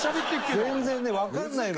全然ねわかんないの。